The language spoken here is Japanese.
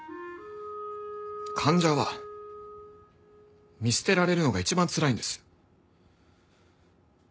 患者は見捨てられるのが一番つらいんです。